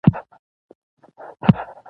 د لوړو زده کړو وزارت د عالي شورا تائید